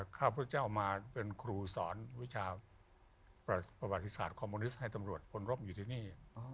ข้าพเจ้ามาเป็นครูสอนวิชาประวัติศาสตร์คอมมูนิสต์ให้ตำรวจพลรบอยู่ที่นี่